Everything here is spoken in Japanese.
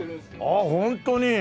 ああホントに。